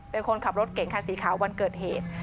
เป็นคนขับรถเก่งคันสีขาววันเกิดเหตุ